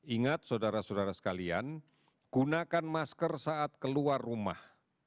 ingat saudara saudara sekalian gunakan masker saat keluar rumah